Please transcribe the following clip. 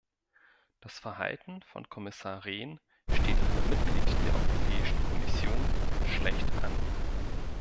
Das Verhalten von Kommissar Rehn steht einem Mitglied der Europäischen Kommission schlecht an.